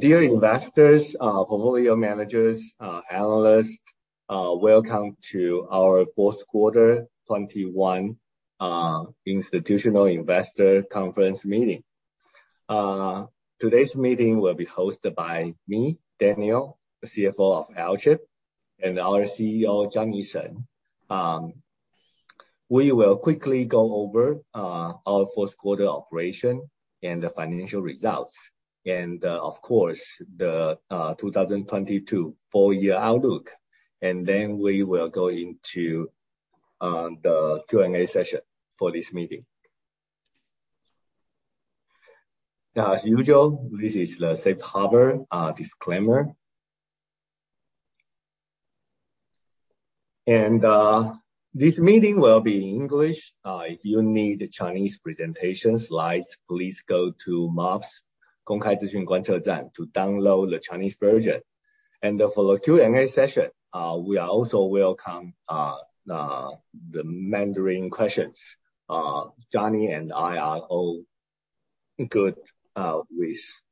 Dear investors, portfolio managers, analysts, welcome to our fourth quarter 2021 institutional investor conference meeting. Today's meeting will be hosted by me, Daniel, the CFO of Alchip, and our CEO, Johnny Shen. We will quickly go over our fourth quarter operation and the financial results. Of course, the 2022 full year outlook. Then we will go into the Q&A session for this meeting. Now, as usual, this is the safe harbor disclaimer. This meeting will be in English. If you need Chinese presentation slides, please go to MOPS to download the Chinese version. For the Q&A session, we also welcome the Mandarin questions. Johnny and I are all good with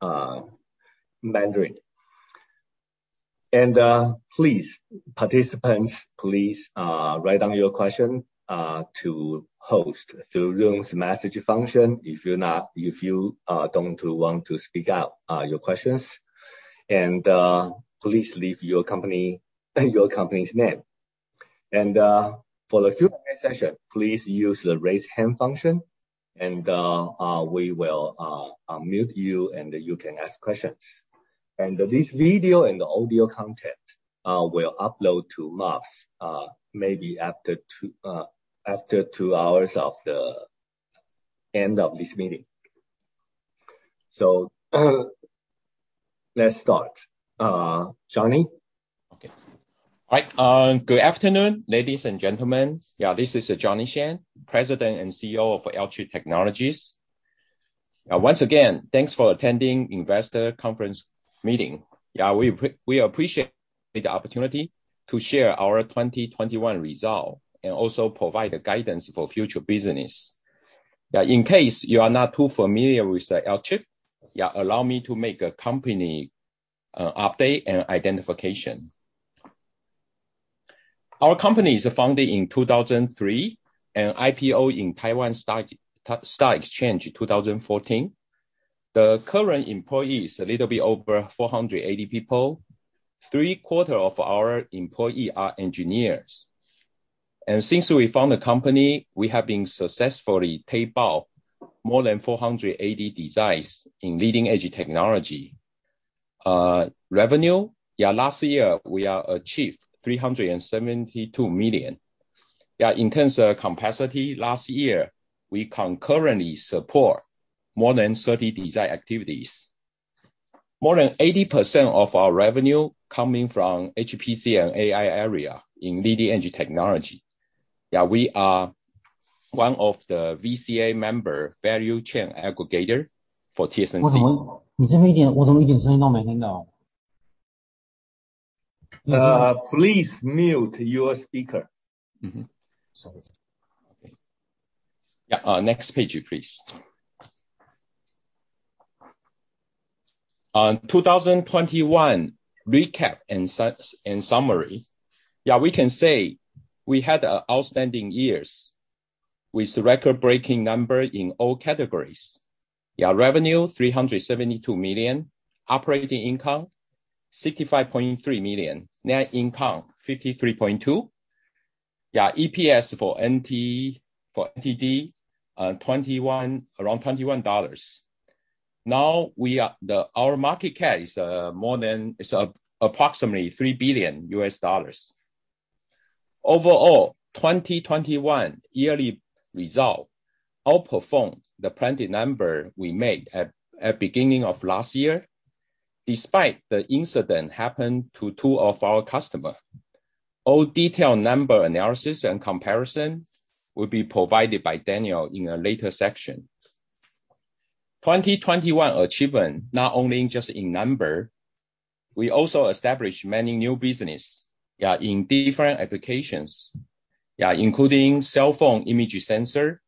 Mandarin. Please, participants, write down your question to host through Zoom's message function if you don't want to speak out your questions. Please leave your company's name. For the Q&A session, please use the raise hand function, and we will unmute you, and you can ask questions. This video and the audio content will upload to MOPS, maybe after two hours after the end of this meeting. Let's start. Johnny? Good afternoon, ladies and gentlemen. This is Johnny Shen, President and CEO of Alchip Technologies. Once again, thanks for attending investor conference meeting. We appreciate the opportunity to share our 2021 result and also provide the guidance for future business. In case you are not too familiar with Alchip, allow me to make a company update and identification. Our company is founded in 2003 and IPO in Taiwan Stock Exchange in 2014. The current employees, a little bit over 480 people. Three-quarter of our employee are engineers. Since we found the company, we have been successfully tape out more than 480 designs in leading-edge technology. Revenue, last year, we achieved $372 million. Yeah, in terms of capacity, last year, we concurrently support more than 30 design activities. More than 80% of our revenue coming from HPC and AI area in leading-edge technology. Yeah, we are one of the VCA member, Value Chain Aggregator for TSMC. Please mute your speaker. Mm-hmm. Sorry. Next page, please. On 2021 recap and summary. We can say we had outstanding year with record-breaking number in all categories. Revenue, $372 million. Operating income, $65.3 million. Net income, $53.2 million. EPS for NTD around NTD 21. Our market cap is approximately $3 billion. Overall, 2021 yearly result outperformed the planned number we made at beginning of last year, despite the incident happened to two of our customer. All detailed number analysis and comparison will be provided by Daniel in a later section. 2021 achievement, not only just in number, we also established many new business in different applications, including cell phone images sensor,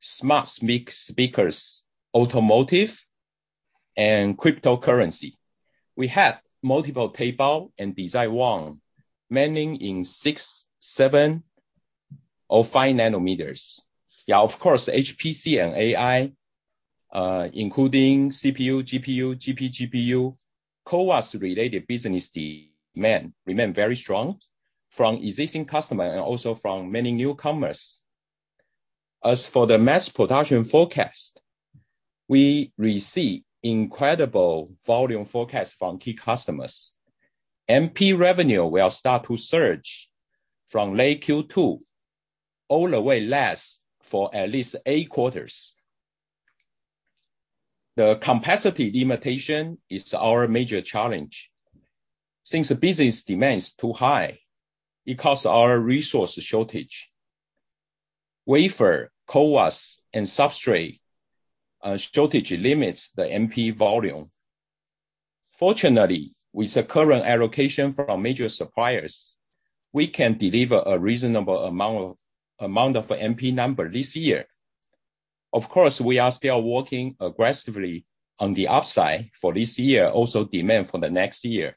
smart speakers, automotive, and cryptocurrency. We had multiple tape-out and design win, mainly in 6nm, 7nm, or 5nm. Yeah, of course, HPC and AI, including CPU, GPU, GPGPU, CoWoS-related business demand remain very strong from existing customer and also from many newcomers. As for the mass production forecast, we receive incredible volume forecast from key customers. MP revenue will start to surge from late Q2 all the way lasting for at least eight quarters. The capacity limitation is our major challenge. Since business demand is too high, it causes our resource shortage. Wafer, CoWoS and substrate shortage limits the MP volume. Fortunately, with the current allocation from major suppliers, we can deliver a reasonable amount of MP number this year. Of course, we are still working aggressively on the upside for this year, also demand for the next year.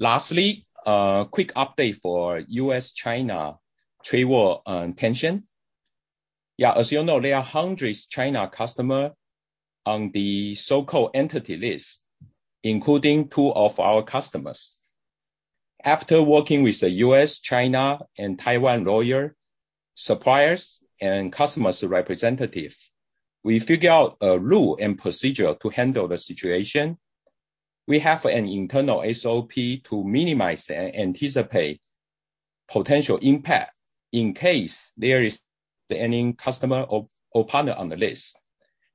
Lastly, a quick update for U.S.-China trade war, tension. Yeah, as you know, there are hundreds China customers on the so-called Entity List, including two of our customers. After working with the U.S., China and Taiwan lawyers, suppliers and customers representatives, we figure out a rule and procedure to handle the situation. We have an internal SOP to minimize and anticipate potential impact in case there is any customer or partner on the list.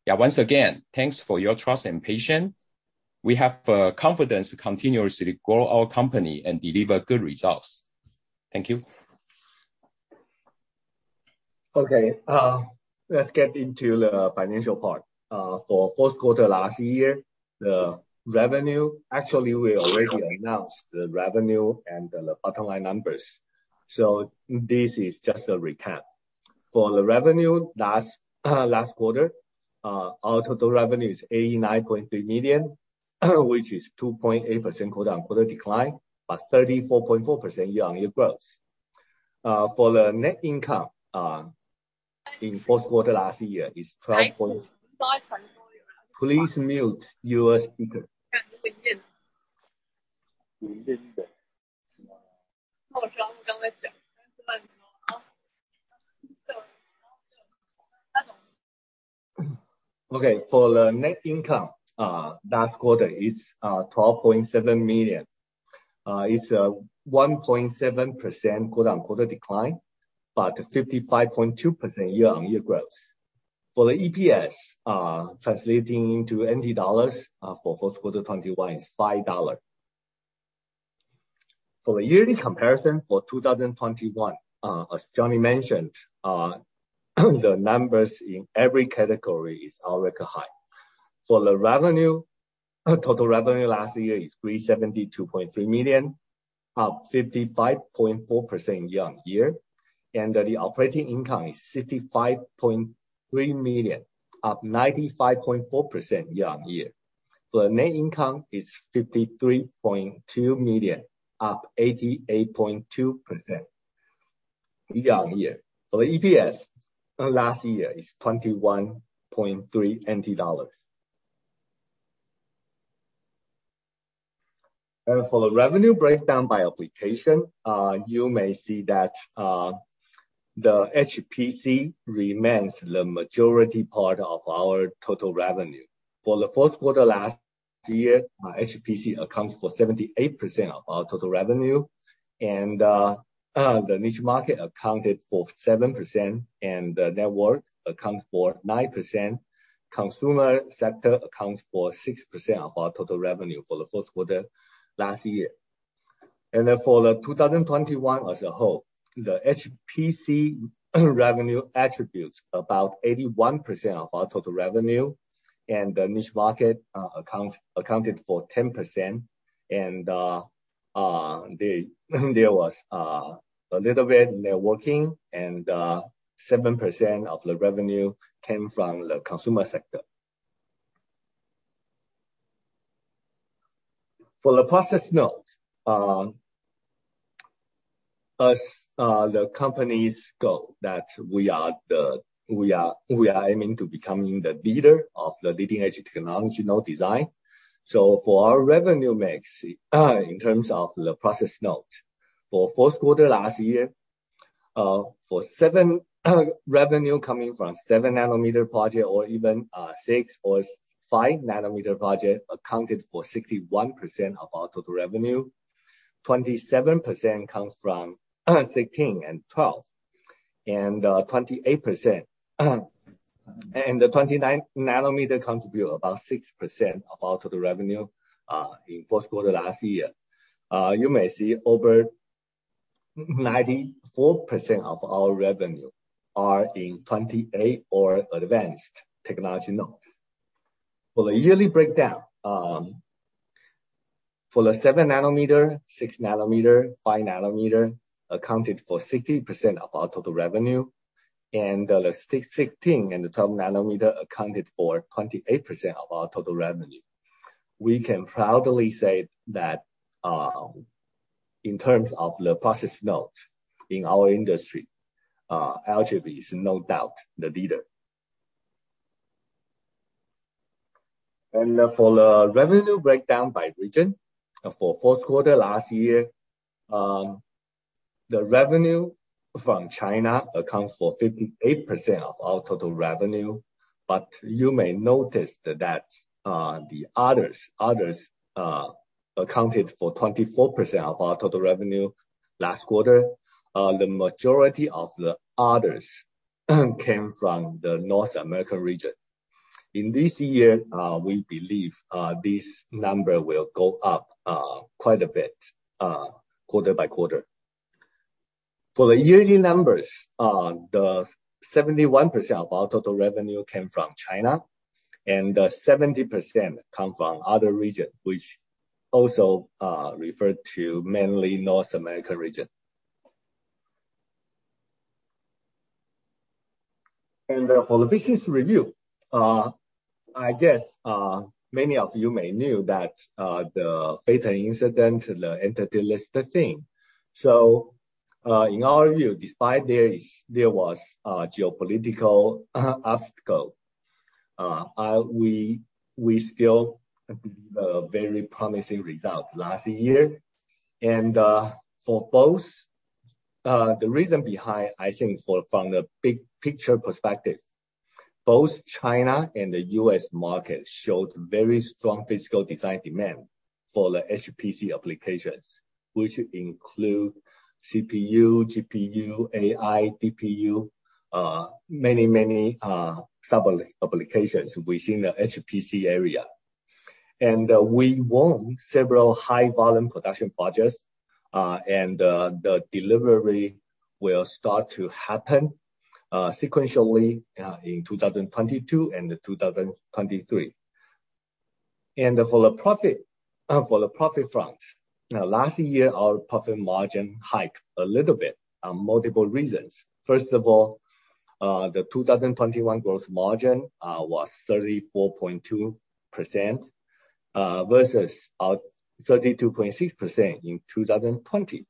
Yeah, once again, thanks for your trust and patience. We have confidence to continuously grow our company and deliver good results. Thank you. Okay, let's get into the financial part. For fourth quarter last year, the revenue, actually we already announced the revenue and the bottom line numbers, so this is just a recap. For the revenue last quarter, our total revenue is $89.3 million, which is 2.8% quarter-on-quarter decline, but 34.4% year-on-year growth. For the net income in fourth quarter last year is $12.7 million. It's a 1.7% quarter-on-quarter decline, but 55.2% year-on-year growth. For the EPS, translating into NT dollars, for fourth quarter 2021 is NTD 5. For the yearly comparison for 2021, as Johnny mentioned, the numbers in every category is all record high. For the revenue, total revenue last year is $372.3 million, up 55.4% year-on-year, and the operating income is $65.3 million, up 95.4% year-on-year. The net income is $53.2 million, up 88.2% year-on-year. For the EPS, last year is NTD 21.3. For the revenue breakdown by application, you may see that, the HPC remains the majority part of our total revenue. For the fourth quarter last year, HPC accounts for 78% of our total revenue. The niche market accounted for 7%, and the network accounted for 9%, consumer sector accounted for 6% of our total revenue for the fourth quarter last year. For 2021 as a whole, the HPC revenue attributed about 81% of our total revenue, and the niche market accounted for 10%. There was a little bit of networking and 7% of the revenue came from the consumer sector. For the process node, as the company's goal that we are aiming to become the leader of the leading-edge technological design. For our revenue mix in terms of the process node. For fourth quarter last year, revenue coming from 7nm project or even 6nm or 5nm project accounted for 61% of our total revenue. 27% comes from 16nm and 12nm. 28% and the 29nm contribute about 6% of our total revenue in fourth quarter last year. You may see over 94% of our revenue are in 28nm or advanced technology node. For the yearly breakdown, for the 7nm, 6nm, 5nm accounted for 60% of our total revenue, and the 16nm and the 12nm accounted for 28% of our total revenue. We can proudly say that in terms of the process node in our industry, Alchip is no doubt the leader. For the revenue breakdown by region, for fourth quarter last year, the revenue from China accounts for 58% of our total revenue. But you may notice that the others accounted for 24% of our total revenue last quarter. The majority of the others came from the North America region. In this year, we believe this number will go up quite a bit, quarter-by-quarter. For the yearly numbers, the 71% of our total revenue came from China. 70% come from other region, which also referred to mainly North American region. For the business review, I guess many of you may knew that, the fatal incident, the Entity List thing. In our view, despite there was geopolitical obstacle, we still [inaudible] a very promising result last year. For both... The reason behind, I think from the big picture perspective, both China and the U.S. market showed very strong physical design demand for the HPC applications, which include CPU, GPU, AI, DPU, many sub-applications within the HPC area. We won several high volume production projects, and the delivery will start to happen sequentially in 2022 and 2023. For the profit front. Now, last year, our profit margin hiked a little bit on multiple reasons. First of all, the 2021 gross margin was 34.2%, versus our 32.6% in 2020.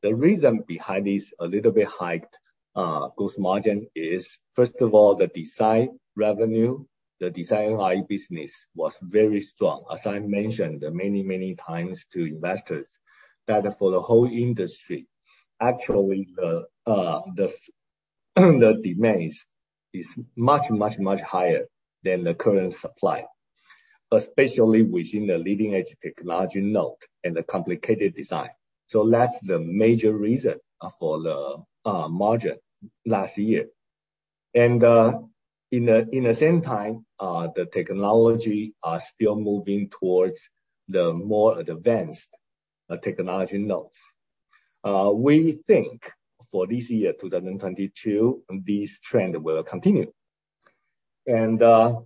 The reason behind this a little bit hiked gross margin is, first of all, the design revenue. The design business was very strong. As I mentioned many, many times to investors, that for the whole industry, actually the demand is much higher than the current supply, especially within the leading-edge technology node and the complicated design. That's the major reason for the margin last year. In the same time, the technology are still moving towards the more advanced technology nodes. We think for this year, 2022, this trend will continue. For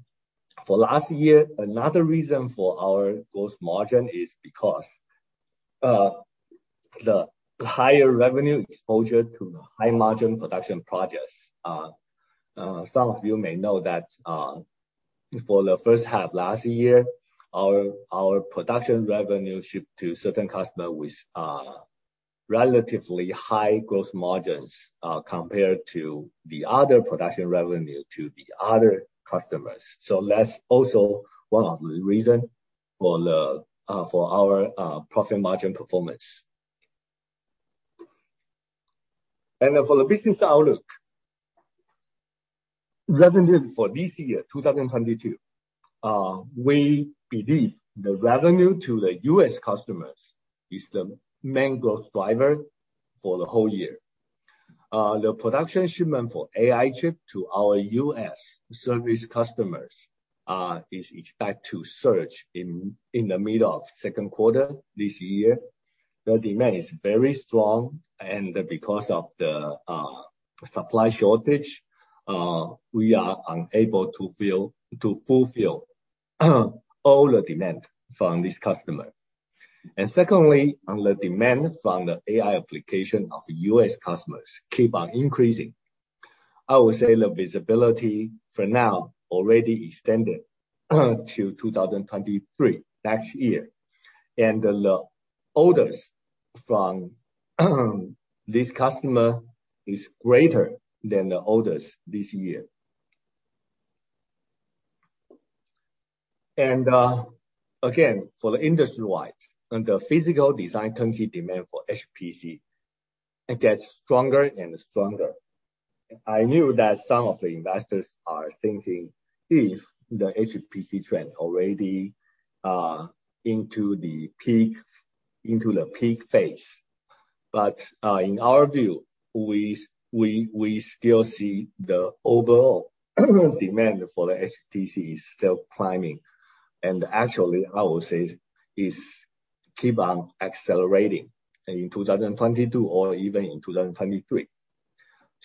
last year, another reason for our growth margin is because the higher revenue exposure to the high margin production projects. Some of you may know that, for the first half last year, our production revenue shipped to certain customer with relatively high growth margins, compared to the other production revenue to the other customers. That's also one of the reason for our profit margin performance for the business outlook. Revenue for this year, 2022, we believe the revenue to the U.S. customers is the main growth driver for the whole year. The production shipment for AI chip to our U.S. service customers is expected to surge in the middle of second quarter this year. The demand is very strong, and because of the supply shortage, we are unable to fulfill all the demand from this customer. Secondly, on the demand from the AI application of U.S. customers keep on increasing. I would say the visibility for now already extended to 2023, next year. The orders from this customer is greater than the orders this year. Again, for the industry wide and the physical design/turnkey demand for HPC, it gets stronger and stronger. I knew that some of the investors are thinking if the HPC trend already into the peak phase. In our view, we still see the overall demand for the HPC is still climbing. Actually, I will say it's keep on accelerating in 2022 or even in 2023.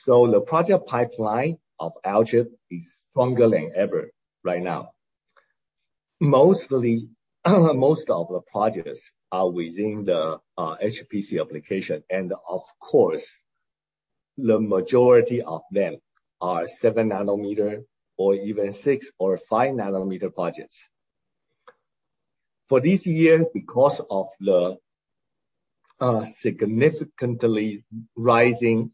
The project pipeline of Alchip is stronger than ever right now. Most of the projects are within the HPC application, and of course, the majority of them are 7nm or even 6nm or 5nm projects. For this year, because of the significantly rising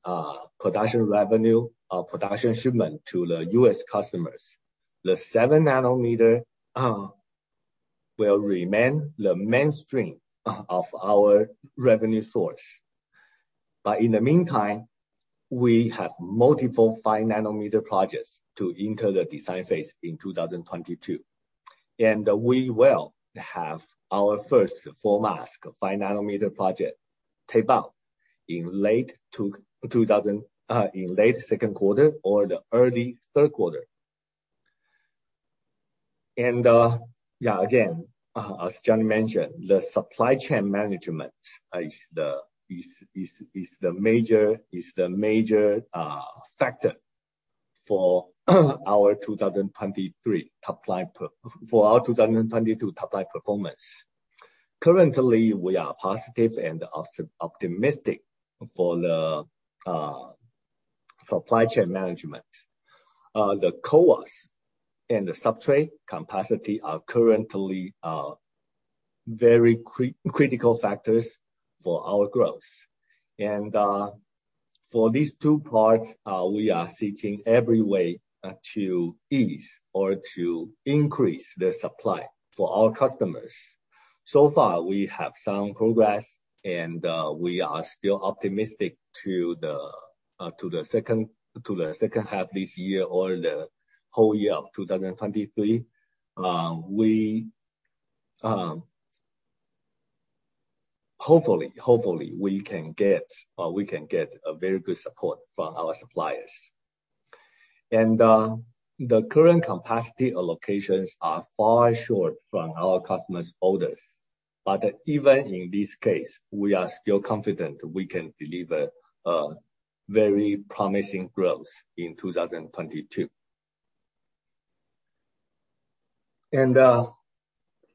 production revenue, production shipment to the U.S. customers, the 7nm will remain the mainstream of our revenue source. In the meantime, we have multiple 5nm projects to enter the design phase in 2022, and we will have our first full mask 5nm project tape-out in late second quarter or the early third quarter. Again, as Johnny mentioned, the supply chain management is the major factor for our 2023 top line for our 2022 top line performance. Currently, we are positive and optimistic for the supply chain management. The CoWoS and the substrate capacity are currently very critical factors for our growth. For these two parts, we are seeking every way to ease or to increase the supply for our customers. So far, we have some progress and we are still optimistic to the second half this year or the whole year of 2023. Hopefully we can get a very good support from our suppliers. The current capacity allocations are far short from our customers' orders. Even in this case, we are still confident we can deliver a very promising growth in 2022.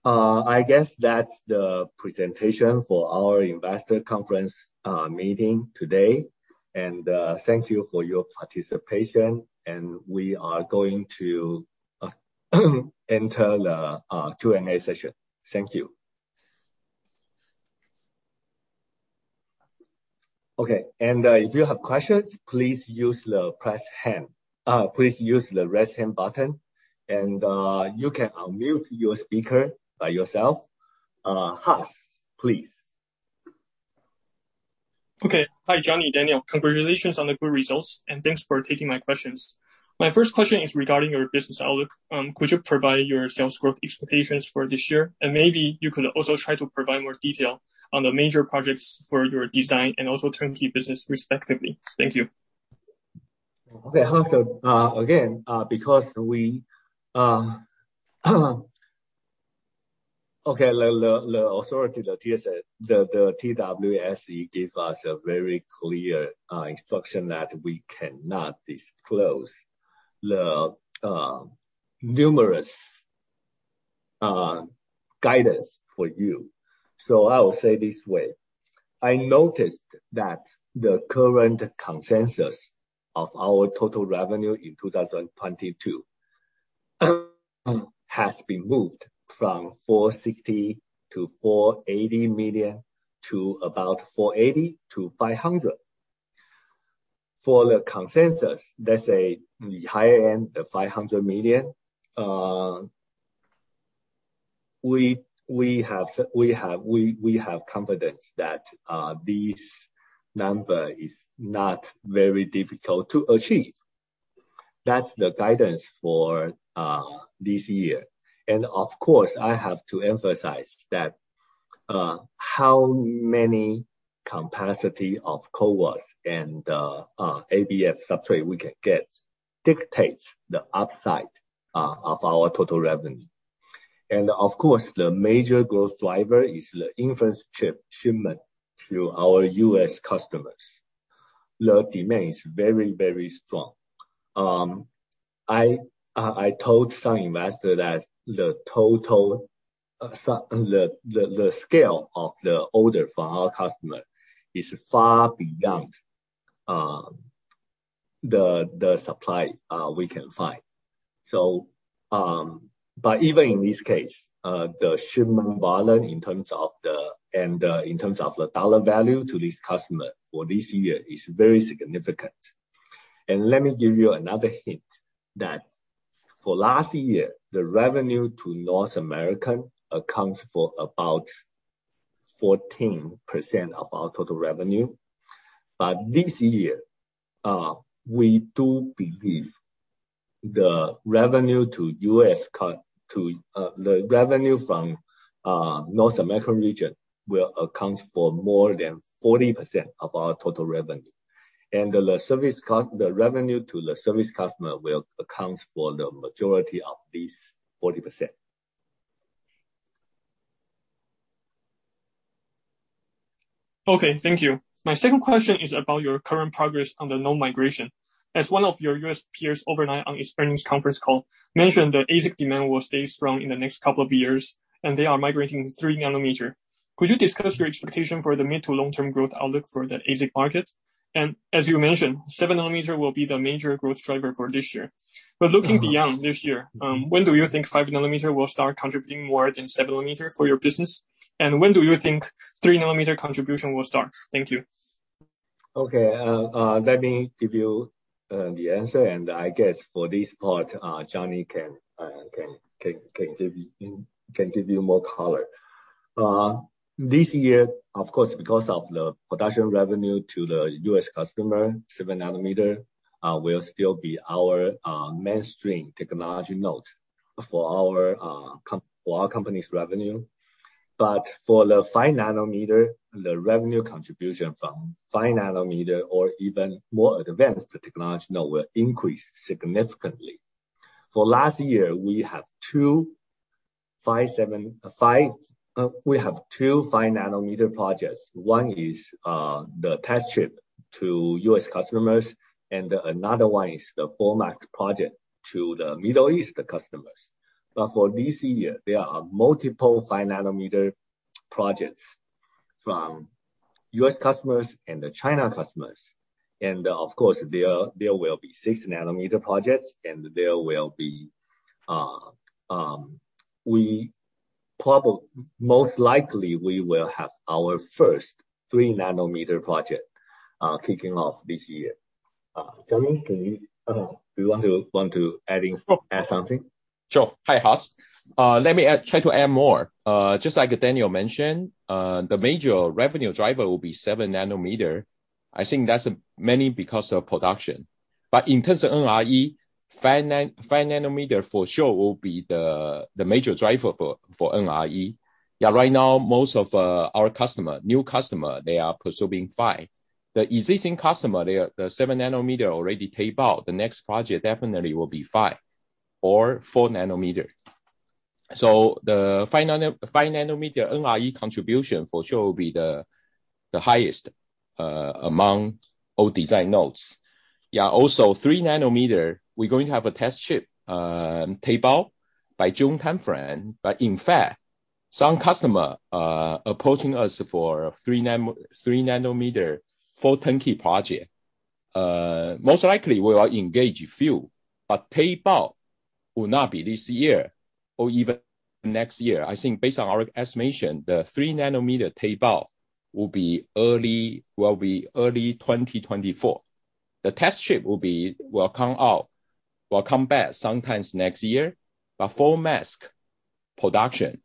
I guess that's the presentation for our investor conference meeting today. Thank you for your participation, and we are going to enter the Q&A session. Thank you. Okay. If you have questions, please use the raise hand. Please use the raise hand button. You can unmute your speaker by yourself. Haas, please. Okay. Hi, Johnny, Daniel. Congratulations on the good results, and thanks for taking my questions. My first question is regarding your business outlook. Could you provide your sales growth expectations for this year? Maybe you could also try to provide more detail on the major projects for your design and also turnkey business respectively? Thank you. Haas, again, because the authority, the TWSE give us a very clear instruction that we cannot disclose the numerous guidance for you. I will say this way. I noticed that the current consensus of our total revenue in 2022 has been moved from $460 million-$480 million to about $480 million-$500 million. For the consensus, that's a higher end of $500 million. We have confidence that this number is not very difficult to achieve. That's the guidance for this year. Of course, I have to emphasize that how many capacity of CoWoS and ABF substrate we can get dictates the upside of our total revenue. Of course, the major growth driver is the infrastructure shipment to our U.S. customers. The demand is very, very strong. I told some investor that the scale of the order from our customer is far beyond the supply we can find. Even in this case, the shipment volume in terms of the dollar value to this customer for this year is very significant. Let me give you another hint that for last year, the revenue to North America accounts for about 14% of our total revenue. This year, we do believe the revenue from the North American region will account for more than 40% of our total revenue. The revenue to the service customer will account for the majority of this 40%. Okay, thank you. My second question is about your current progress on the node migration. As one of your U.S. peers overnight on its earnings conference call mentioned that ASIC demand will stay strong in the next couple of years, and they are migrating to 3nm. Could you discuss your expectation for the mid to long-term growth outlook for the ASIC market? As you mentioned, 7nm will be the major growth driver for this year. Looking beyond this year, when do you think 5nm will start contributing more than 7nm for your business? When do you think 3nm contribution will start? Thank you. Okay. Let me give you the answer. I guess for this part, Johnny can give you more color. This year, of course, because of the production revenue to the U.S. customer, 7nm will still be our mainstream technology node for our company's revenue. For the 5nm, the revenue contribution from 5nm or even more advanced technology now will increase significantly. For last year, we have two 5nm projects. One is the test chip to U.S. customers, and another one is the full mask project to the Middle East customers. For this year, there are multiple 5nm projects from U.S. customers and China customers. Of course, there will be 6nm projects, and most likely we will have our first 3nm project kicking off this year. Johnny, do you want to add something? Sure. Hi, Haas. Let me add, try to add more. Just like Daniel mentioned, the major revenue driver will be 7nm. I think that's mainly because of production. But in terms of NRE, 5nm for sure will be the major driver for NRE. Yeah, right now, most of our new customers are pursuing 5nm. The existing customers, the 7nm already tape out. The next project definitely will be 5nm or 4nm. So the 5nm NRE contribution for sure will be the highest among all design nodes. Yeah, also 3nm, we're going to have a test chip tape out by June timeframe. But in fact, some customers approaching us for 3nm full turnkey project. Most likely we will engage a few, but tape out will not be this year or even next year. I think based on our estimation, the 3nm tape out will be early 2024. The test chip will come out, will come back sometime next year. Full mask production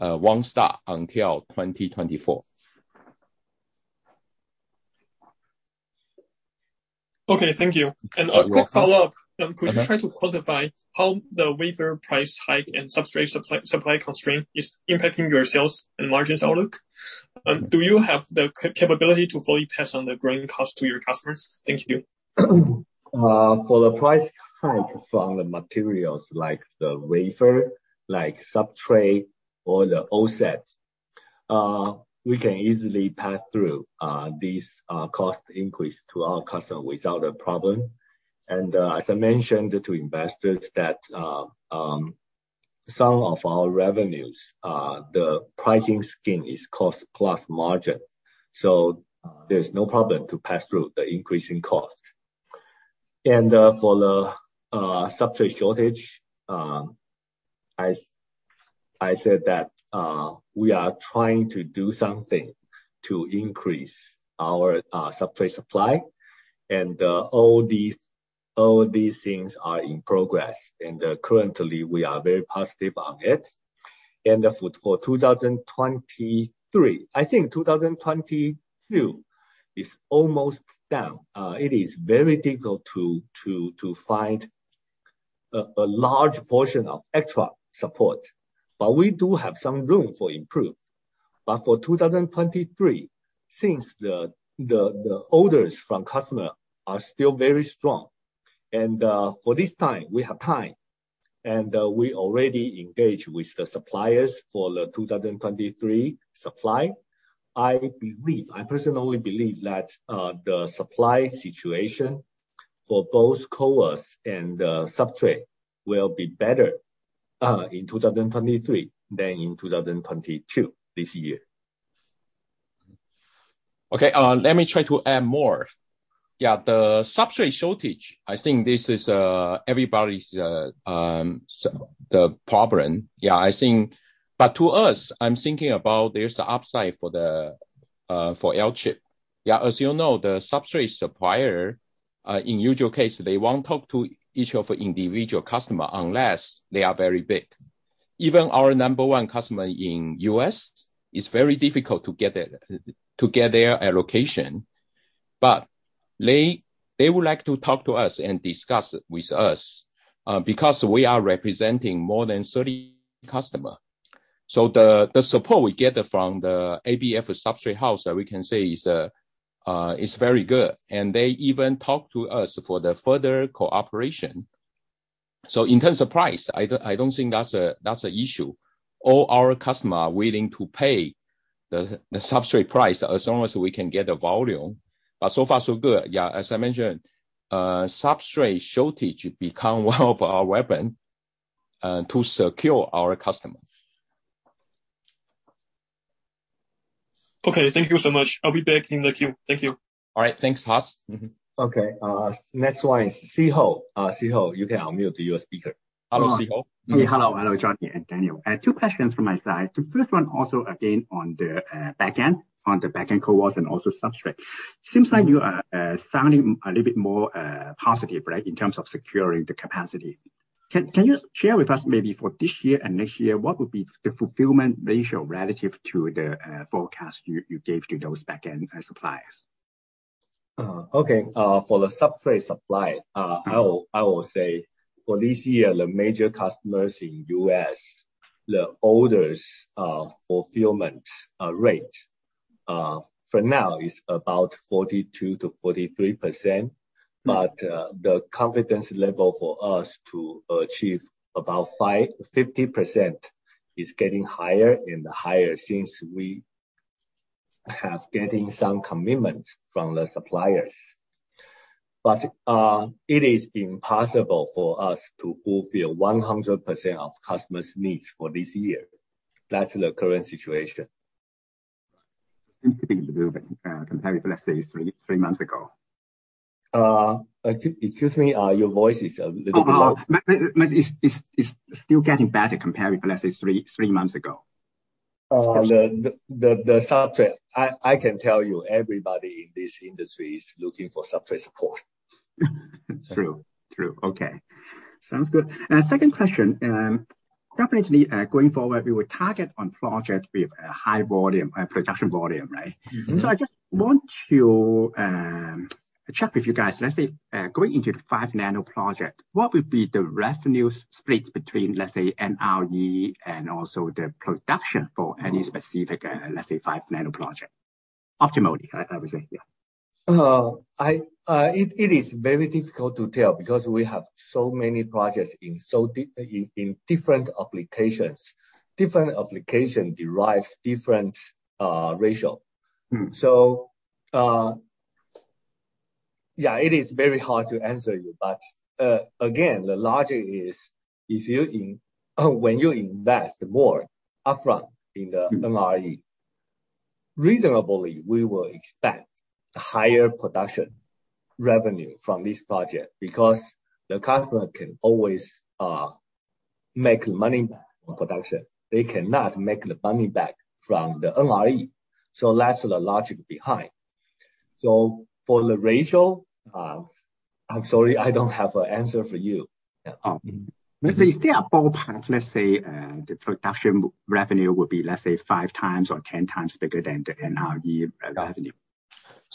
won't start until 2024. Okay, thank you. You're welcome. A quick follow-up. Uh-huh. Could you try to quantify how the wafer price hike and substrate supply constraint is impacting your sales and margins outlook? Do you have the capability to fully pass on the growing cost to your customers? Thank you. For the price hike from the materials like the wafer, like substrate or the offsets, we can easily pass through these cost increase to our customer without a problem. As I mentioned to investors that some of our revenues, the pricing scheme is cost plus margin. There's no problem to pass through the increasing cost. For the substrate shortage, I said that we are trying to do something to increase our substrate supply. All these things are in progress. Currently, we are very positive on it. For 2023, I think 2022 is almost done. It is very difficult to find a large portion of extra support. We do have some room for improvement. For 2023, since the orders from customer are still very strong, and for this time, we have time. We already engage with the suppliers for the 2023 supply. I personally believe that the supply situation for both CoWoS and the substrate will be better in 2023 than in 2022, this year. Okay, let me try to add more. Yeah, the substrate shortage, I think this is everybody's the problem. Yeah, I think. To us, I'm thinking about there's the upside for Alchip. Yeah, as you know, the substrate supplier in usual case, they won't talk to each individual customer unless they are very big. Even our number one customer in U.S., it's very difficult to get their allocation. They would like to talk to us and discuss it with us because we are representing more than 30 customer. The support we get from the ABF substrate house, we can say is very good. They even talk to us for the further cooperation. In terms of price, I don't think that's an issue. All our customers are willing to pay the substrate price as long as we can get the volume. So far so good. Yeah, as I mentioned, substrate shortage becomes one of our weapons to secure our customers. Okay, thank you so much. I'll be back in the queue. Thank you. All right. Thanks, Haas. Okay. Next one is Szeho. Szeho, you can unmute your speaker. Hello, Szeho. Okay. Hello. Hello, Johnny and Daniel. I have two questions from my side. The first one also again on the back end CoWoS and also substrate. Seems like you are sounding a little bit more positive, right, in terms of securing the capacity. Can you share with us maybe for this year and next year, what would be the fulfillment ratio relative to the forecast you gave to those back end suppliers? Okay, for the substrate supply, I will say for this year, the major customers in U.S., the orders fulfillment rate for now is about 42%-43%. The confidence level for us to achieve about 50% is getting higher and higher since we are getting some commitment from the suppliers. It is impossible for us to fulfill 100% of customers' needs for this year. That's the current situation. Seems to be a little bit compared, let's say, three months ago. Excuse me, your voice is a little bit low. [inaudible] is still getting better compared with, let's say, three months ago? The substrate. I can tell you, everybody in this industry is looking for substrate support. True. True. Okay. Sounds good. Second question. Definitely, going forward, we will target on project with a high volume, production volume, right? Mm-hmm. I just want to check with you guys. Let's say going into the 5nm project, what would be the revenue split between, let's say, NRE and also the production for any specific, let's say, 5nm project? Optimally, I would say. Yeah. It is very difficult to tell because we have so many projects in so different applications. Different application derives different ratio. Mm. It is very hard to answer you. Again, the logic is when you invest more upfront in the NRE, reasonably, we will expect higher production revenue from this project because the customer can always make money back on production. They cannot make the money back from the NRE. That's the logic behind. For the ratio, I'm sorry, I don't have an answer for you. Oh. Is there a ballpark, let's say, the production revenue would be, let's say, 5x or 10x bigger than the NRE revenue?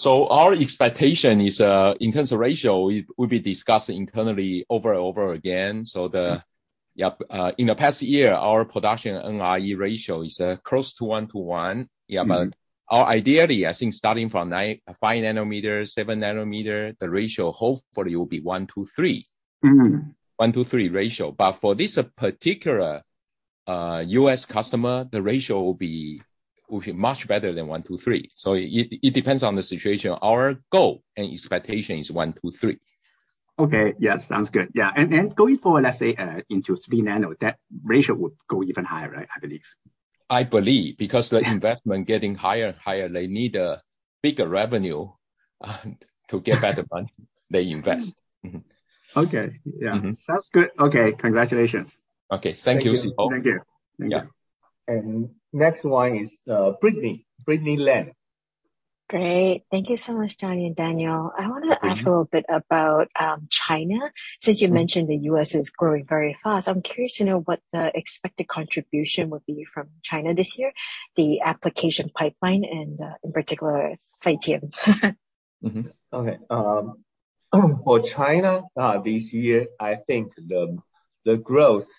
Our expectation is, in terms of ratio, it will be discussed internally over and over again. In the past year, our production NRE ratio is close to 1:1. Yeah. Ideally, I think starting from 5nm, 7nm, the ratio hopefully will be 1:3. Mm-hmm. 1:3 ratio. For this particular U.S. customer, the ratio will be much better than 1:3. It depends on the situation. Our goal and expectation is 1:3. Okay. Yes. Sounds good. Yeah. Going forward, let's say, into 3nm, that ratio would go even higher, right? I believe. I believe because the investment getting higher and higher, they need a bigger revenue to get back the money they invest. Okay. Yeah. Mm-hmm. Sounds good. Okay. Congratulations. Okay. Thank you, Szeho. Thank you. Yeah. Next one is Britney Lam. Great. Thank you so much, Johnny and Daniel. I wanna ask a little bit about China. Since you mentioned the U.S. is growing very fast, I'm curious to know what the expected contribution would be from China this year, the application pipeline and, in particular, Phytium? For China, this year, I think the growth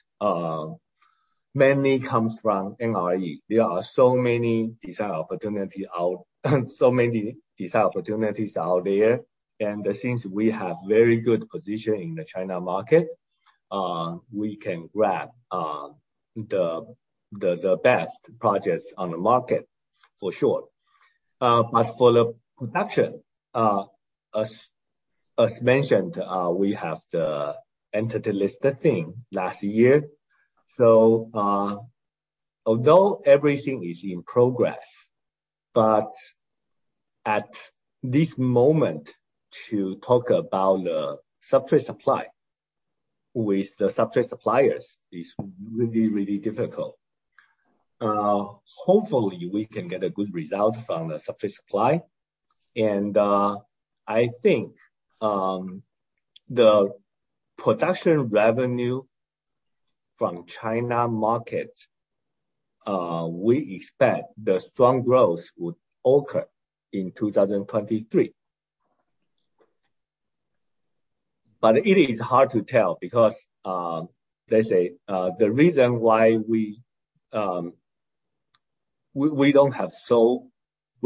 mainly comes from NRE. There are so many design opportunities out there. Since we have very good position in the China market, we can grab the best projects on the market for sure. For the production, as mentioned, we have the Entity List last year. Although everything is in progress, at this moment to talk about the substrate supply with the substrate suppliers is really difficult. Hopefully we can get a good result from the substrate supply. I think the production revenue from China market, we expect the strong growth would occur in 2023. It is hard to tell because, let's say, the reason why we don't have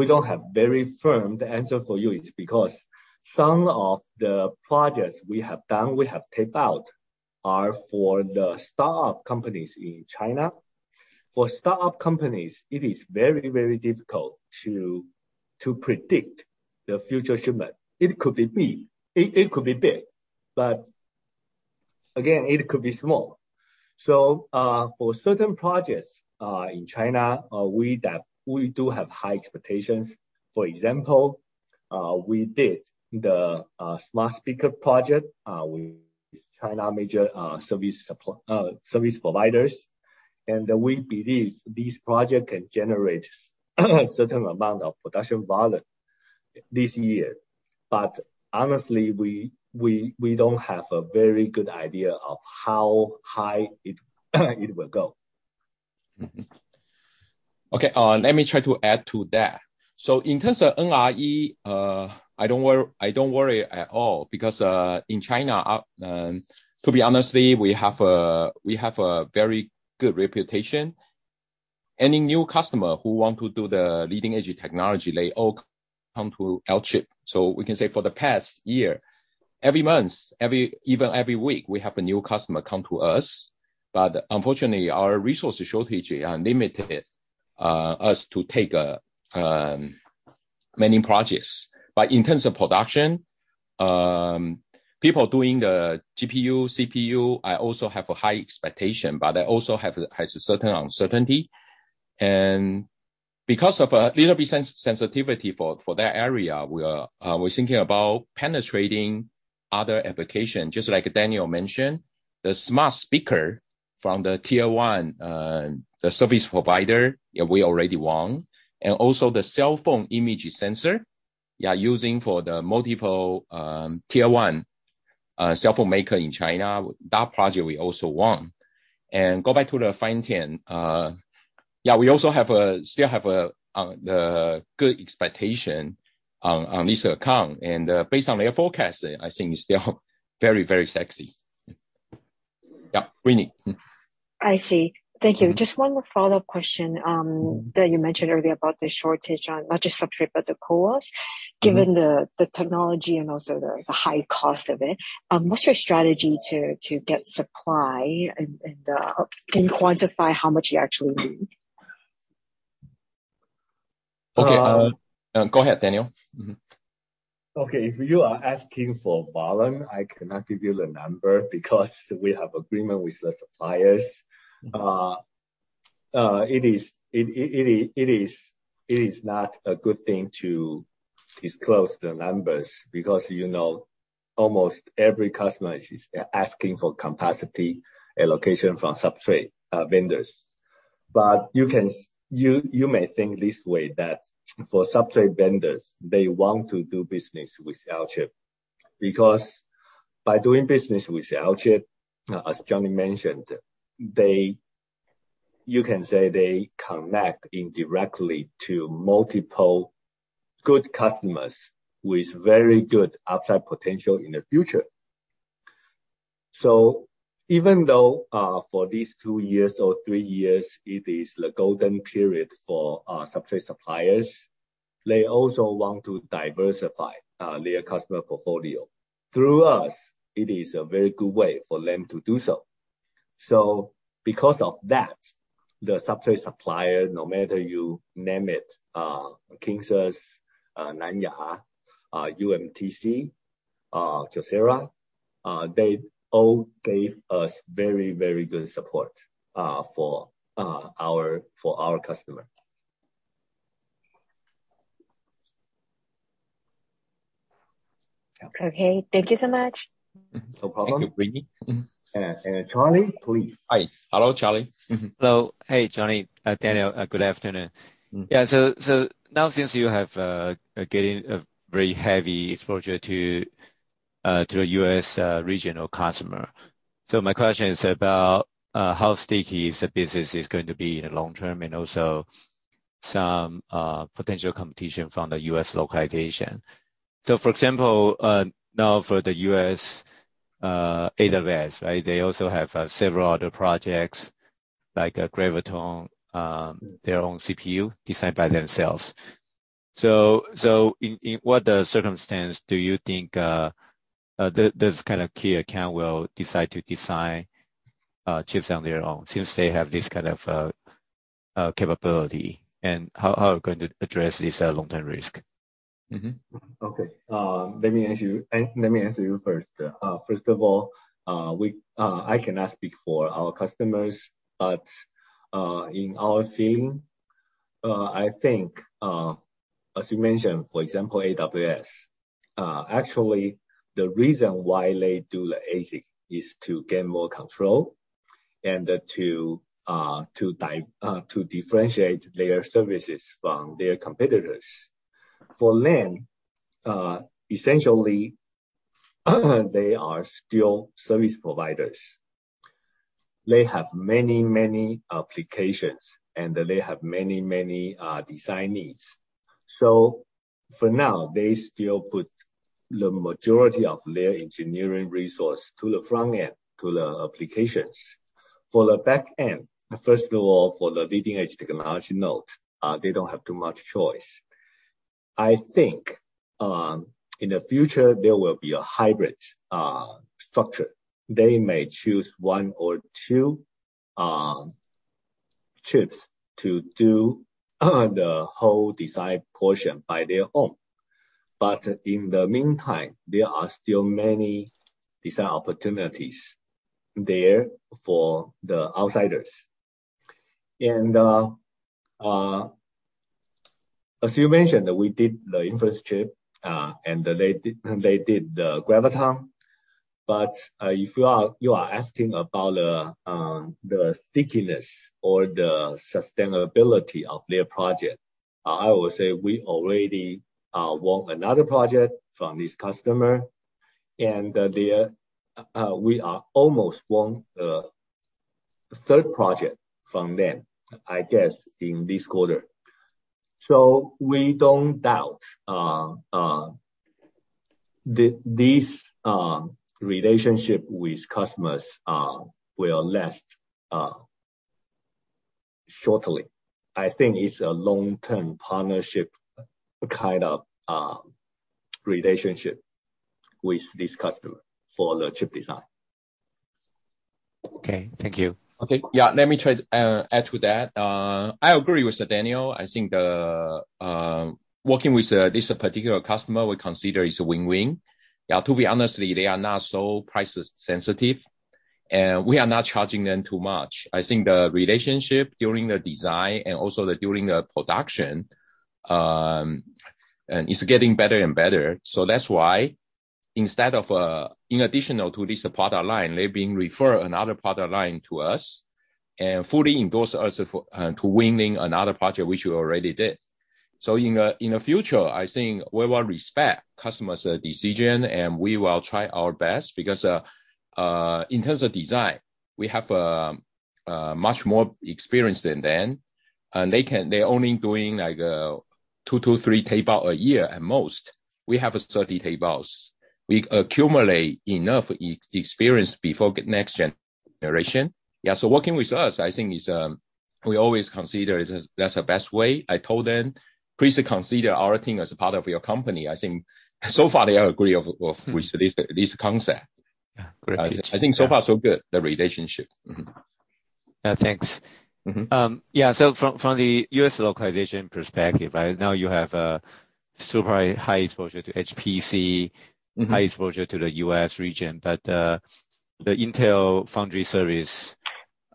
a very firm answer for you is because some of the projects we have done, we have taped out are for the startup companies in China. For startup companies, it is very difficult to predict the future shipment. It could be big. Again, it could be small. For certain projects in China, we do have high expectations. For example, we did the smart speaker project with major service providers in China. We believe this project can generate a certain amount of production volume this year. Honestly, we don't have a very good idea of how high it will go. Mm-hmm. Okay, let me try to add to that. In terms of NRE, I don't worry at all because in China, to be honest, we have a very good reputation. Any new customer who want to do the leading-edge technology, they all come to Alchip. We can say for the past year, every month, even every week, we have a new customer come to us. Unfortunately, our resources shortage limited us to take many projects. In terms of production, people doing the GPU, CPU, I also have a high expectation, but I also have has a certain uncertainty. Because of a little bit sensitivity for that area, we're thinking about penetrating other application. Just like Daniel mentioned, the smart speaker from the tier I, the service provider, we already won. Also the cell phone image sensor, using for the multiple, tier one, cell phone maker in China. That project we also won. Go back to the Phytium. We still have the good expectation on this account. Based on their forecast, I think it's still very, very sexy. Britney. I see. Thank you. Just one more follow-up question that you mentioned earlier about the shortage on not just substrate, but the CoWoS. Given the technology and also the high cost of it, what's your strategy to get supply and can you quantify how much you actually need? Okay. Go ahead, Daniel. Mm-hmm. Okay. If you are asking for volume, I cannot give you the number because we have agreement with the suppliers. It is not a good thing to disclose the numbers because, you know, almost every customer is asking for capacity allocation from substrate vendors. But you may think this way, that for substrate vendors, they want to do business with Alchip. Because by doing business with Alchip, as Johnny mentioned, they, you can say they connect indirectly to multiple good customers with very good upside potential in the future. Even though for these two years or three years, it is the golden period for our substrate suppliers, they also want to diversify their customer portfolio. Through us, it is a very good way for them to do so. Because of that, the substrate supplier, no matter you name it, Kinsus, Nan Ya, UMTC, Kyocera, they all gave us very, very good support for our customer. Okay. Thank you so much. No problem. Thank you, Britney. Charlie, please. Hi. Hello, Charlie. Mm-hmm. Hello. Hey, Johnny, Daniel. Good afternoon. Mm-hmm. Yeah. Now since you have getting a very heavy exposure to a U.S. regional customer, my question is about how sticky is the business going to be in the long term and also some potential competition from the U.S. localization. For example, now for the U.S., AWS, right? They also have several other projects like Graviton, their own CPU designed by themselves. In what circumstance do you think this kind of key account will decide to design chips on their own since they have this kind of capability? And how are you going to address this long-term risk? Mm-hmm. Okay. Let me answer you first. First of all, I cannot speak for our customers, but, in our field, I think, as you mentioned, for example, AWS, actually the reason why they do the ASIC is to gain more control and, to differentiate their services from their competitors. For them, essentially, they are still service providers. They have many applications, and they have many design needs. For now, they still put the majority of their engineering resource to the front end, to the applications. For the back end, first of all, for the leading edge technology node, they don't have too much choice. I think, in the future, there will be a hybrid structure. They may choose one or two chips to do the whole design portion by their own. In the meantime, there are still many design opportunities there for the outsiders. As you mentioned, we did the inference chip and they did the Graviton. If you are asking about the stickiness or the sustainability of their project, I would say we already won another project from this customer. We almost won a third project from them, I guess, in this quarter. We don't doubt this relationship with customers will last not shortly. I think it's a long-term partnership, kind of, relationship with this customer for the chip design. Okay. Thank you. Okay. Yeah. Let me try to add to that. I agree with Daniel. I think working with this particular customer we consider is a win-win. Yeah, to be honest, they are not so price sensitive, and we are not charging them too much. I think the relationship during the design and also during the production is getting better and better. That's why, in addition to this product line, they've referred another product line to us and fully endorsed us for winning another project which we already did. In the future, I think we will respect the customer's decision, and we will try our best because in terms of design, we have much more experience than them. They can. They're only doing, like, 2-3 tape-outs a year at most. We have 30 tape-outs. We accumulate enough experience before next generation. Yeah. Working with us, I think is, we always consider it as that's the best way. I told them, "Please consider our team as a part of your company." I think so far they agree with this concept. Yeah. Great. I think so far so good, the relationship. Yeah, thanks. Mm-hmm. From the U.S. localization perspective, right now you have a super high exposure to HPC. Mm-hmm. High exposure to the U.S. region. The Intel Foundry Services,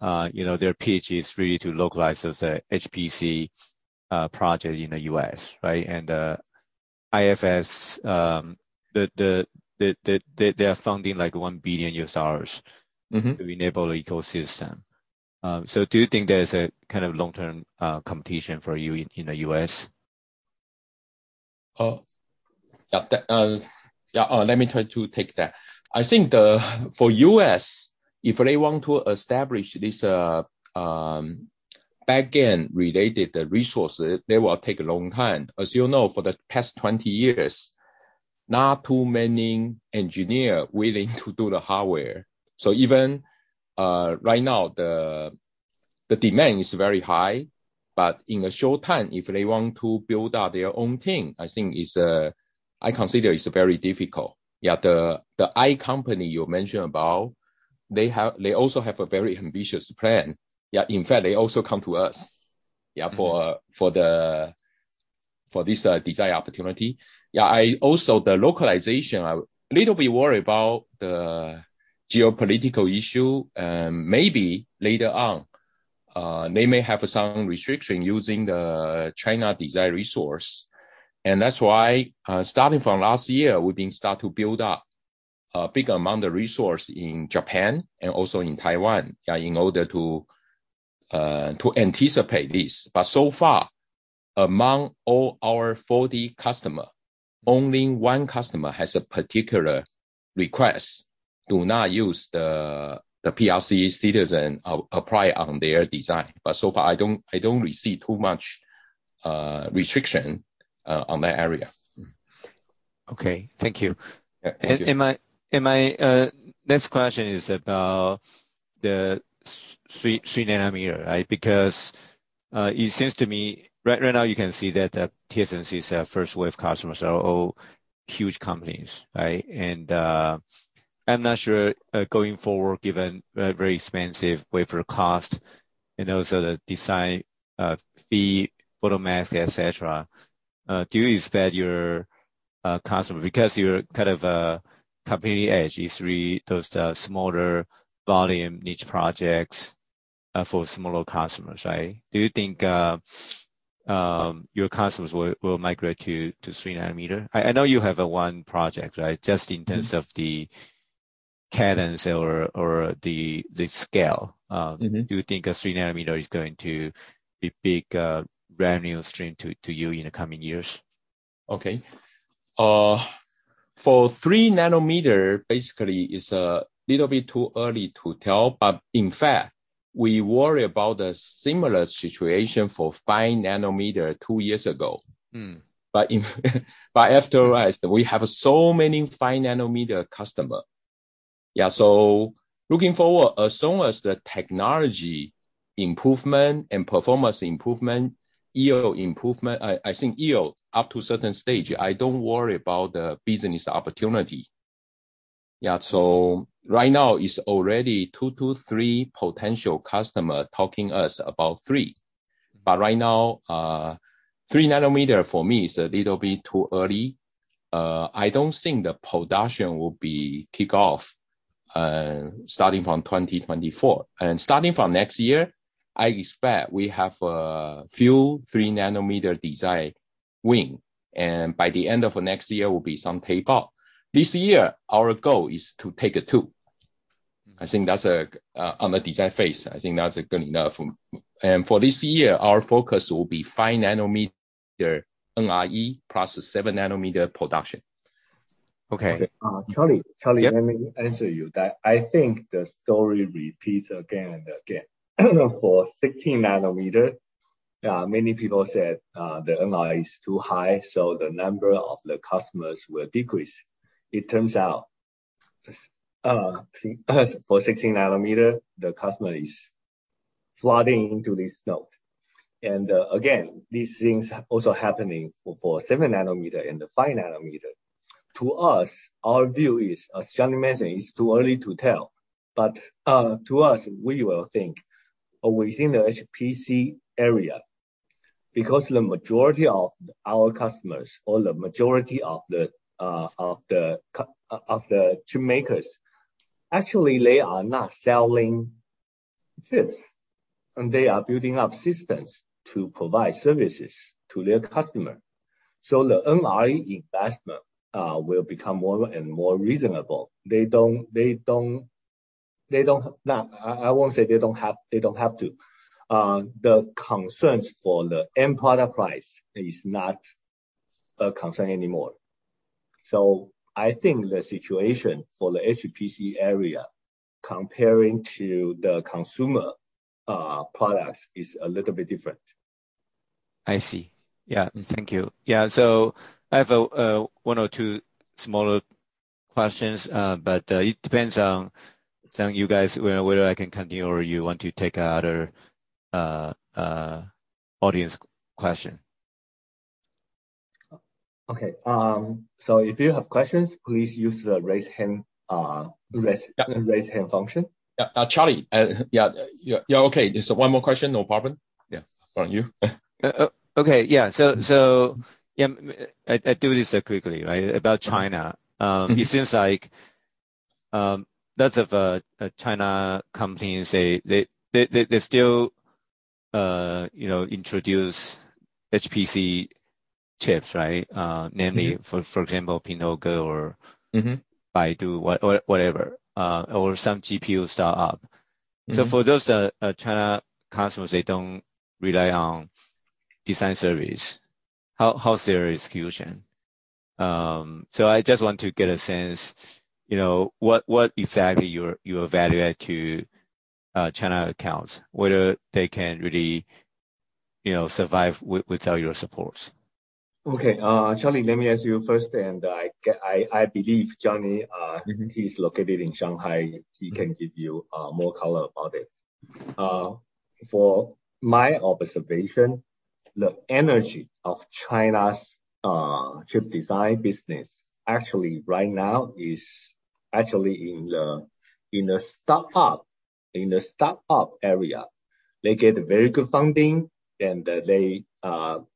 you know, their fab is really to localize an HPC project in the U.S., right? IFS, they're funding, like, $1 billion. Mm-hmm. To enable ecosystem. Do you think there's a kind of long-term competition for you in the U.S.? Yeah, let me try to take that. I think, for the U.S., if they want to establish this back-end related resources, they will take a long time. As you know, for the past 20 years, not too many engineer willing to do the hardware. Even right now, the demand is very high, but in the short time, if they want to build out their own thing, I think it is very difficult. The AI company you mentioned about, they also have a very ambitious plan. In fact, they also come to us for this design opportunity. I am a little bit worried about the localization, the geopolitical issue. Maybe later on, they may have some restriction using the China design resource. That's why, starting from last year, we've been starting to build up a big amount of resources in Japan and also in Taiwan, in order to anticipate this. So far, among all our 40 customers, only one customer has a particular request. Do not use the PRC citizens apply on their design. So far, I don't receive too much restriction on that area. Okay. Thank you. Yeah. Thank you. My next question is about the 3nm, right? Because it seems to me right now you can see that TSMC's first wave customers are all huge companies, right? I'm not sure going forward, given very expensive wafer cost and also the design fee, photomask, et cetera, do you expect your customers? Because your company's edge is really towards the smaller volume niche projects for smaller customers, right? Do you think your customers will migrate to 3nm? I know you have one project, right? Just in terms of the cadence or the scale. Mm-hmm. Do you think a 3nm is going to be big revenue stream to you in the coming years? Okay, for 3nm, basically it's a little bit too early to tell, but in fact, we worry about the similar situation for 5nm two years ago. Hmm. After all, we have so many 5nm customers. Yeah. Looking forward, as long as the technology improvement and performance improvement, yield improvement, I think yield up to certain stage, I don't worry about the business opportunity. Yeah. Right now it's already two to three potential customers talking to us about 3nm. Right now, 3nm for me is a little bit too early. I don't think the production will kick off starting from 2024. Starting from next year, I expect we have a few 3nm design wins, and by the end of next year will be some tape-outs. This year, our goal is to take two. I think that's on the design phase, I think that's good enough. For this year, our focus will be 5nm NRE plus 7nm production. Okay. Charlie. Yeah. Let me answer you. I think that the story repeats again and again. For 16nm, many people said the NRE is too high, so the number of the customers will decrease. It turns out for 16nm, the customers are flooding into this node. Again, these things also happened for 7nm and the 5nm. To us, our view is, as Johnny mentioned, it's too early to tell. But to us, we will think within the HPC area, because the majority of our customers, or the majority of the chip makers, actually they are not selling chips, and they are building up systems to provide services to their customers. So the NRE investment will become more and more reasonable. They don't. Now, I won't say they don't have to. The concerns for the end product price is not a concern anymore. I think the situation for the HPC area comparing to the consumer products is a little bit different. I see. Yeah. Thank you. Yeah. I have one or two smaller questions, but it depends on you guys whether I can continue or you want to take other audience question. Okay. If you have questions, please use the raise hand function. Yeah. Charlie, yeah. Yeah, okay, just one more question. No problem. Yeah. From you. Okay. Yeah, I do this quickly, right? About China. It seems like lots of China companies say they still you know introduce HPC chips, right? Namely for example Pingtouge or- Mm-hmm. Baidu, whatever, or some GPU startup. For those China customers, they don't rely on design service. How serious future? I just want to get a sense, you know, what exactly you evaluate to China accounts, whether they can really, you know, survive without your support? Okay. Charlie, let me answer you first, and I believe Johnny, he's located in Shanghai. He can give you more color about it. For my observation, the energy of China's chip design business actually right now is actually in the startup area. They get very good funding, and they,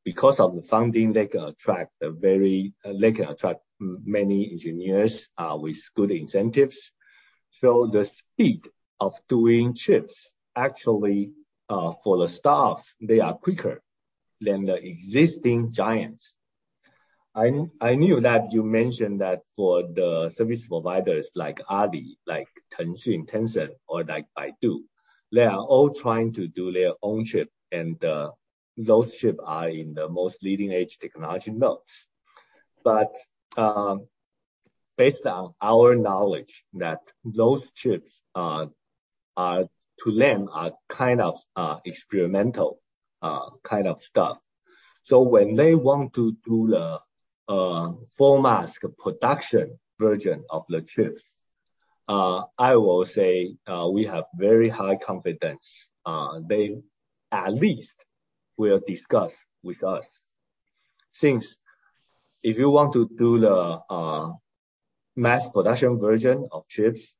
because of the funding, they can attract many engineers with good incentives. The speed of doing chips, actually, for the staff, they are quicker than the existing giants. I knew that you mentioned that for the service providers like Alibaba, like Tencent, or like Baidu, they are all trying to do their own chips, and those chips are in the most leading-edge technology nodes. Based on our knowledge that those chips are to them kind of experimental kind of stuff. When they want to do the full mask production version of the chips, I will say we have very high confidence they at least will discuss with us. Since if you want to do the mass production version of chips,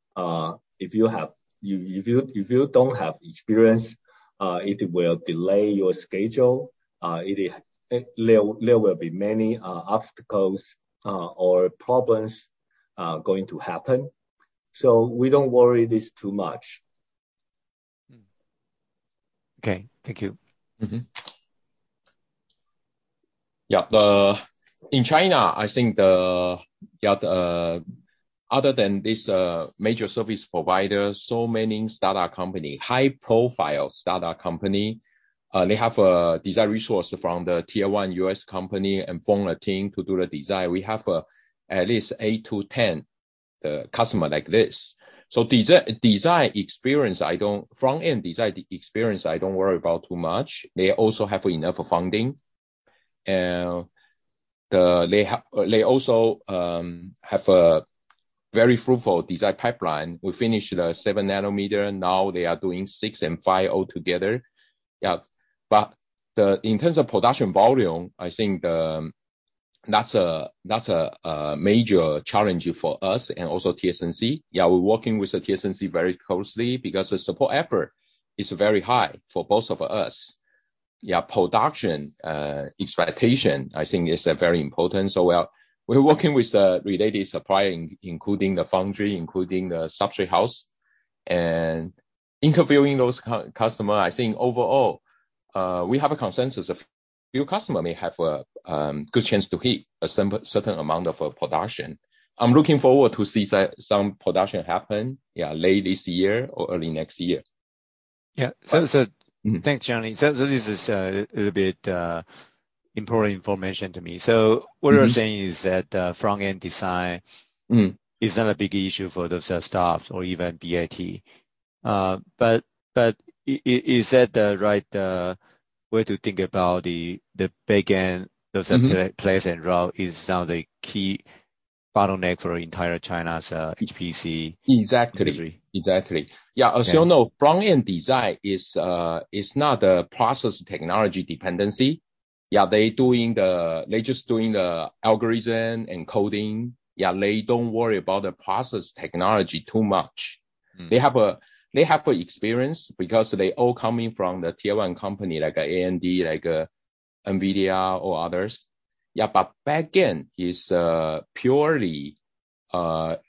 if you don't have experience, it will delay your schedule. There will be many obstacles or problems going to happen. We don't worry this too much. Okay. Thank you. Mm-hmm. In China, I think the other than this major service provider, so many startup company, high-profile startup company, they have a design resource from the tier I U.S. company and form a team to do the design. We have at least eight to 10 customer like this. Design experience, Front-end design experience, I don't worry about too much. They also have enough funding. They also have a very fruitful design pipeline. We finished the 7nm. Now they are doing 6nm and 5nm all together. In terms of production volume, I think that's a major challenge for us and also TSMC. We're working with TSMC very closely because the support effort is very high for both of us. Production expectation, I think is very important. We are working with the related supplier, including the foundry, including the substrate house, and interviewing those customers. I think overall, we have a consensus that our customers may have a good chance to hit a certain amount of production. I'm looking forward to see some production happen, yeah, late this year or early next year. Yeah. Mm-hmm. Thanks, Johnny. This is a little bit important information to me. What you're saying is that front-end design. Mm-hmm... is not a big issue for those staffs or even BAT. Is that the right way to think about the back-end- Mm-hmm. The place and route is now the key bottleneck for entire China's HPC. Exactly. Industry. Exactly. Yeah. Yeah. As you know, front-end design is not a process technology dependency. Yeah, they're just doing the algorithm and coding. Yeah, they don't worry about the process technology too much. Mm-hmm. They have experience because they're all coming from the tier I company like AMD, like NVIDIA or others. Yeah, but back-end is purely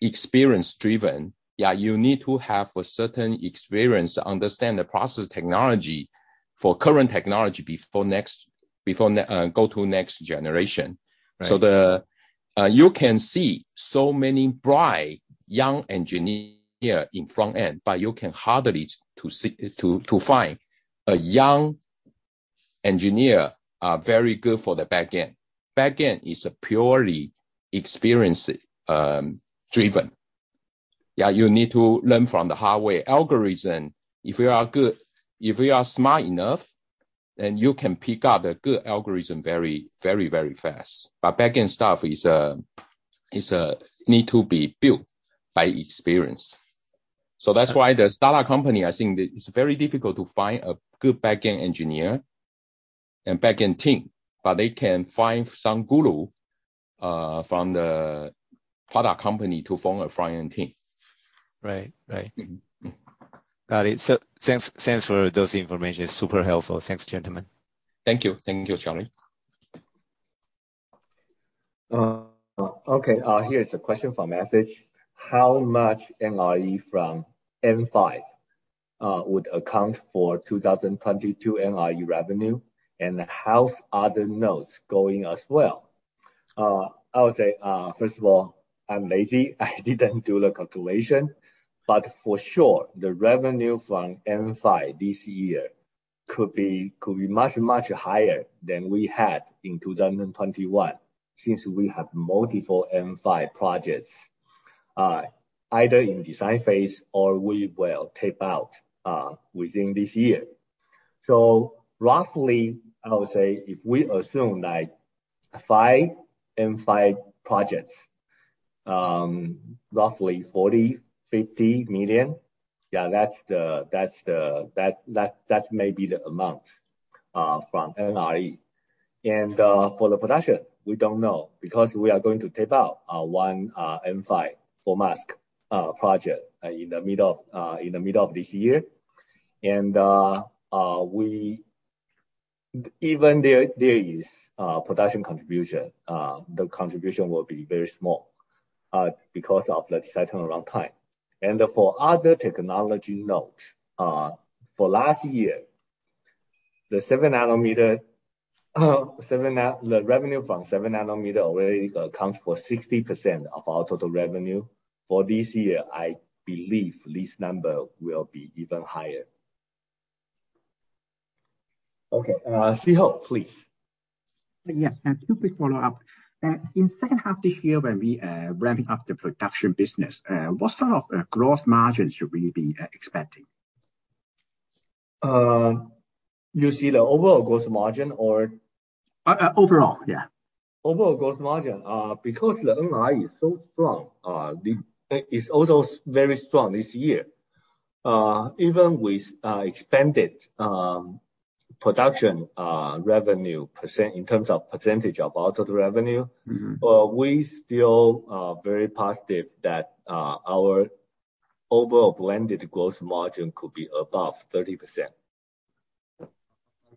experience driven. Yeah, you need to have a certain experience to understand the process technology for current technology before you go to next generation. Right. You can see so many bright young engineer in front end, but you can hardly to see to find a young engineer very good for the back end. Back end is a purely experience driven. Yeah, you need to learn from the hardware algorithm. If you are good, if you are smart enough, then you can pick up the good algorithm very fast. But back end stuff is need to be built by experience. That's why the startup company, I think it's very difficult to find a good back end engineer and back end team, but they can find some guru from the product company to form a front-end team. Right. Right. Mm-hmm. Got it. Thanks for those information. Super helpful. Thanks, gentlemen. Thank you. Thank you, Charlie. Okay. Here's a question from message. How much NRE from N5 would account for 2022 NRE revenue, and how are the nodes going as well? I would say, first of all, I'm lazy. I didn't do the calculation, but for sure, the revenue from N5 this year could be much higher than we had in 2021, since we have multiple N5 projects either in design phase or we will tape out within this year. Roughly, I would say if we assume like five N5 projects, roughly $40 million-$50 million. Yeah, that's maybe the amount from NRE. For the production, we don't know because we are going to tape out one N5 for mask project in the middle of this year. Even there, the production contribution will be very small because of the cycle time. For other technology nodes, for last year, the 7nm revenue already accounts for 60% of our total revenue. For this year, I believe this number will be even higher. Okay. Szeho, please. Yes, two quick follow-up. In second half this year when we are ramping up the production business, what sort of growth margins should we be expecting? You see the overall gross margin or? Overall, yeah. Overall gross margin. Because the NRE is so strong, it's also very strong this year. Even with expanded production, revenue percent in terms of percentage of total revenue. Mm-hmm We are still very positive that our overall blended gross margin could be above 30%.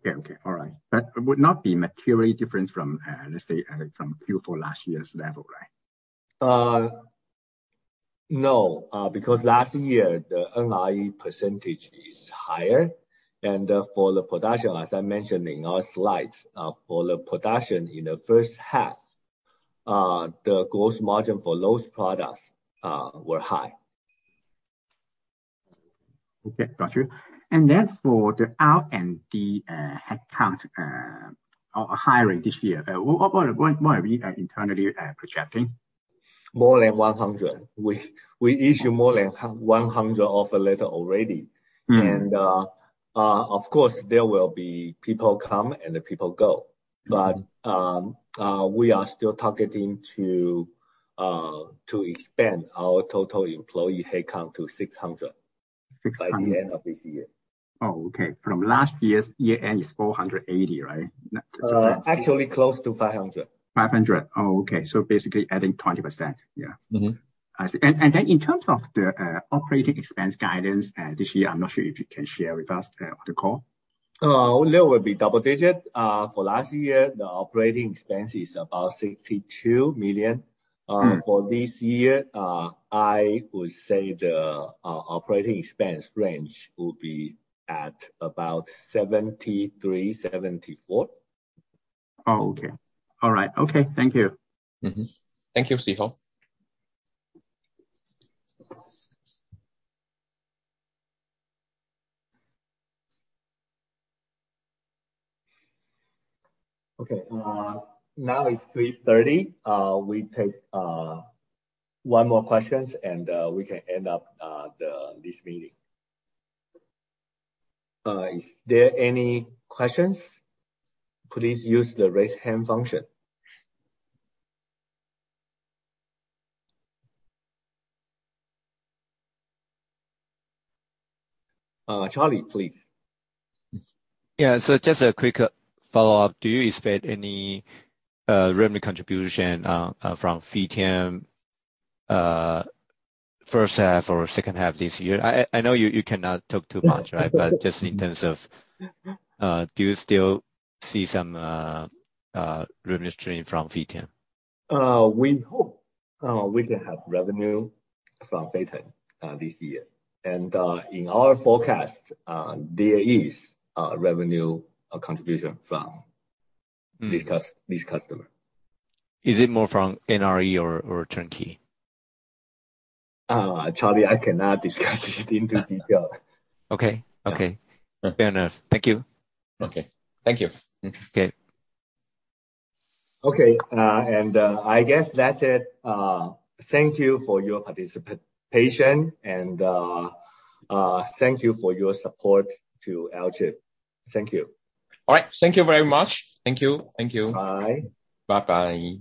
Okay. All right. That would not be materially different from, let's say, from Q4 last year's level, right? No, because last year the NRE percentage is higher. For the production, as I mentioned in our slides, for the production in the first half, the growth margin for those products were high. Okay. Got you. For the R&D headcount, our hiring this year, what are we internally projecting? More than 100. We issue more than 100 offer letter already. Mm-hmm. Of course, there will be people come and people go. Mm-hmm. We are still targeting to expand our total employee headcount to 600- 600 by the end of this year. Oh, okay. From last year's year-end is 480, right? Actually close to 500. 500. Oh, okay. Basically adding 20%. Yeah. Mm-hmm. I see. In terms of the operating expense guidance this year, I'm not sure if you can share with us on the call. There will be double-digit. For last year, the operating expense is about $62 million. For this year, I would say the operating expense range will be at about $73 million-$74 million. Oh, okay. All right. Okay. Thank you. Mm-hmm. Thank you, Szeho. Okay, now it's 3:30 P.M. We take one more questions and we can end up this meeting. Is there any questions? Please use the raise hand function. Charlie, please. Yeah. Just a quick follow-up. Do you expect any revenue contribution from Bitmain first half or second half this year? I know you cannot talk too much, right? Just in terms of, do you still see some revenue stream from Bitmain? We hope we can have revenue from Bitmain this year. In our forecast there is revenue contribution from- Mm. this customer. Is it more from NRE or turnkey? Charlie, I cannot discuss it in detail. Okay. Yeah. Fair enough. Thank you. Okay. Thank you. Okay. Okay, I guess that's it. Thank you for your participation, and thank you for your support to Alchip. Thank you. All right. Thank you very much. Thank you. Thank you. Bye. Bye-bye.